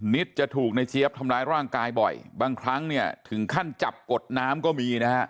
จะถูกในเจี๊ยบทำร้ายร่างกายบ่อยบางครั้งเนี่ยถึงขั้นจับกดน้ำก็มีนะฮะ